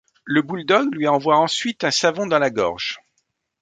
Le bouledogue lui envoie ensuite un savon dans la gorge.